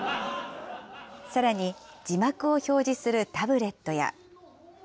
さらに、字幕を表示するタブレットや。